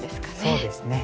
そうですね。